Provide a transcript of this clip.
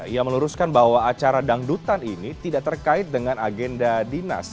ia meluruskan bahwa acara dangdutan ini tidak terkait dengan agenda dinas